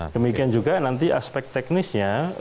demikian juga nanti aspek teknisnya